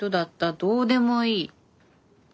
どうでもいい」。